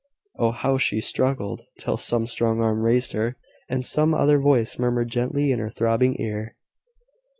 Oh, how she struggled! till some strong arm raised her, and some other voice murmured gently in her throbbing ear.